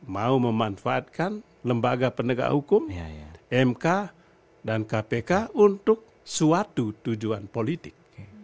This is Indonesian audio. mau memanfaatkan lembaga penegak hukum mk dan kpk untuk suatu tujuan politik